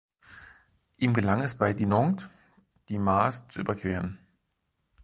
Ihm gelang es, bei Dinant die Maas zu überqueren.